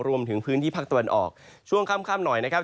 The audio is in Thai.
รวมถึงพื้นที่ภาคตะวันออกช่วงค่ำหน่อยนะครับ